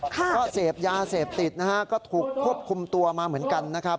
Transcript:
ก็เสพยาเสพติดก็ถูกควบคุมตัวมาเหมือนกัน